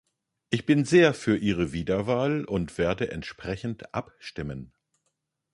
Ich bin sehr für Ihre Wiederwahl und werde entsprechend abstimmen.